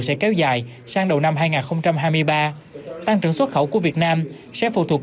sẽ kéo dài sang đầu năm hai nghìn hai mươi ba tăng trưởng xuất khẩu của việt nam sẽ phụ thuộc